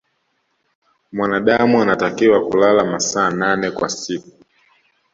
mwanadamu anatakiwa kulala masaa nane kwa siku